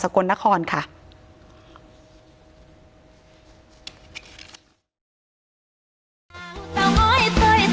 ถ้าใครอยากรู้ว่าลุงพลมีโปรแกรมทำอะไรที่ไหนยังไง